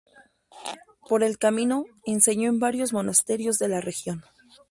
Por el camino, enseñó en varios monasterios de la región.